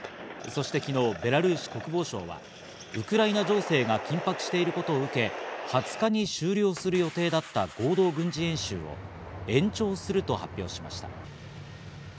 そして昨日、ベラルーシ国防省はウクライナ情勢が緊迫していることを受け、２０日に終了する予定だった合同軍事演習を延長すると発表しました。